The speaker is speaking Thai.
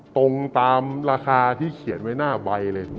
ตรงตามราคาที่เขียนไว้หน้าใบเลย